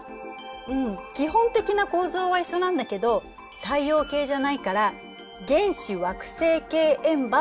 うん基本的な構造は一緒なんだけど太陽系じゃないから原始惑星系円盤っていうの。